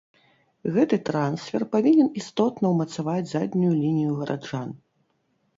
Гэты трансфер павінен істотна ўмацаваць заднюю лінію гараджан.